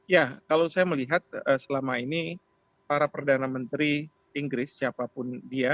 ya kalau saya melihat selama ini para perdana menteri inggris siapapun dia